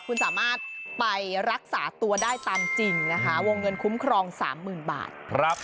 คุณสามารถไปรักษาตัวได้ตามจริงนะคะวงเงินคุ้มครอง๓๐๐๐บาท